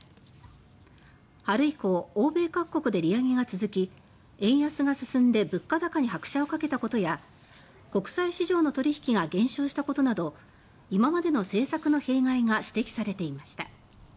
春以降、欧米各国で利上げが続き円安が進んで物価高に拍車をかけたことや国債市場の取引が減少したことなど今までの政策の弊害が指摘されていました。